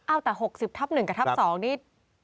แต่๖๐ทับ๑กับทับ๒นี่